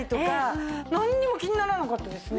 なんにも気にならなかったですね